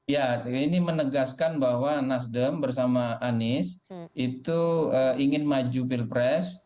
ya ini menegaskan bahwa nasdem bersama anies itu ingin maju pilpres